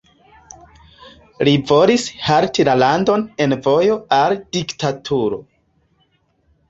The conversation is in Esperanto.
Li volis halti la landon en vojo al diktaturo.